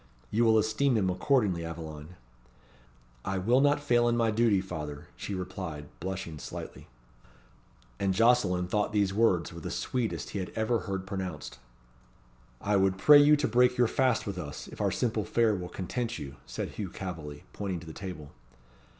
You will esteem him accordingly, Aveline." "I will not fail in my duty, father," she replied, blushing slightly. And Jocelyn thought these words were the sweetest he had ever heard pronounced. "I would pray you to break your fast with us, if our simple fare will content you," said Hugh Calveley, pointing to the table.